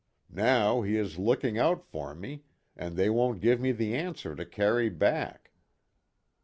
Now, he is looking out for me and they won't give me the answer to carry back."